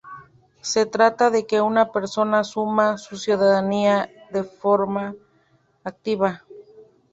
Se trata de que una persona asuma su ciudadanía en forma activa.